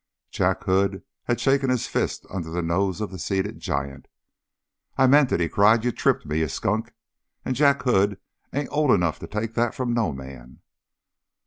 Jack Hood had shaken his fist under the nose of the seated giant. "I meant it," he cried. "You tripped me, you skunk, and Jack Hood ain't old enough to take that from no man!"